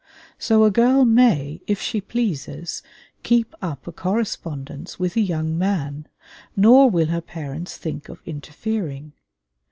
So a girl may, if she pleases, keep up a correspondence with a young man, nor will her parents think of interfering.